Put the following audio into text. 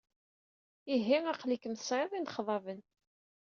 Ihi, aql-ikem tesɛid inexḍaben.